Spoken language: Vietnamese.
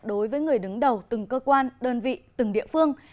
đối với người đứng đầu từng cơ quan đơn vị từng địa phương